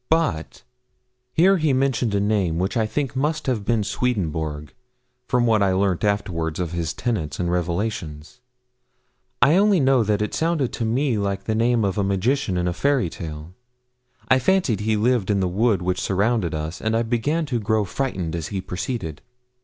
But ' Here he mentioned a name which I think must have been Swedenborg, from what I afterwards learnt of his tenets and revelations; I only know that it sounded to me like the name of a magician in a fairy tale; I fancied he lived in the wood which surrounded us, and I began to grow frightened as he proceeded.